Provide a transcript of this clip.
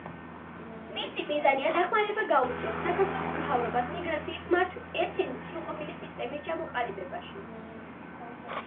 მისი მიზანია დახმარება გაუწიოს საქართველოს მთავრობას მიგრაციის მართვის ერთიანი და სრულყოფილი სისტემის ჩამოყალიბებაში.